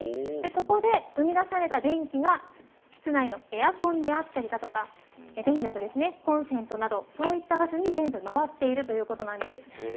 そこで生み出された電気が室内のエアコンだったり電力ですねコンセントなどそういった場所に全部回っているということなんです。